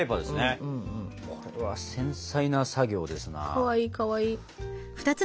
かわいいかわいい。